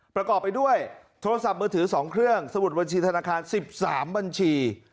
ประกอบไปด้วยโทรศัพท์มือถือ๒เครื่องสมุดบัญชีธนาคาร๑๓บัญชี